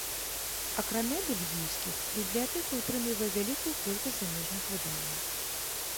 Акрамя бельгійскіх, бібліятэка ўтрымлівае вялікую колькасць замежных выданняў.